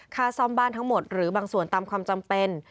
ค่าซ่อมบ้านทั้งหมดหรือบางส่วนตามความจำเป็น